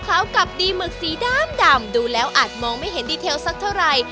กับดีหมึกสีดำดูแล้วอาจมองไม่เห็นดีเทลสักเท่าไหร่